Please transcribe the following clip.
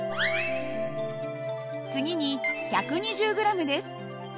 次に１２０ｇです。